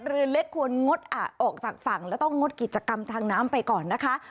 เรือเล็กควรงดออกจากฝั่งและต้องงดกิจกรรมทางน้ำไปก่อนนะคะ